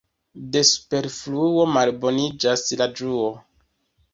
De superfluo malboniĝas la ĝuo.